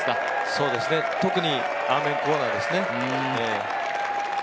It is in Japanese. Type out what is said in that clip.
そうですね、特にアーメンコーナーですね。